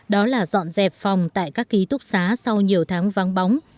đó là dọn dẹp phòng tại các ký túc xá sau nhiều tháng vắng bóng